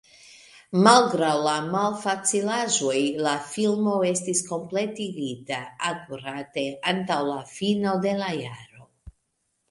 Malgraŭ la malfacilaĵoj, la filmo estis kompletigita akurate antaŭ la fino de la jaro.